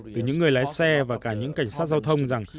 từ những người lái xe và cả những cảnh sát giao thông rằng